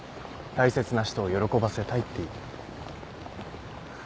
大切な人を喜ばせたいっていう。